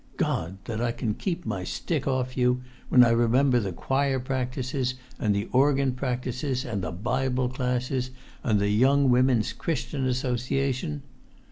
God! that I can keep my stick off you, when I remember the choir practices, and the organ practices, and the Bible classes, and the Young Women's Christian Association.